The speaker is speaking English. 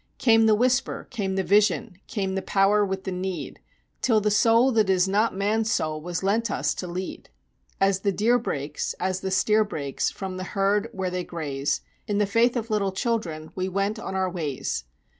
Came the Whisper, came the Vision, came the Power with the Need, Till the Soul that is not man's soul was lent us to lead. As the deer breaks as the steer breaks from the herd where they graze, In the faith of little children we went on our ways.